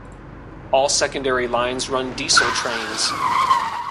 All secondary lines run diesel trains.